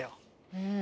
うん。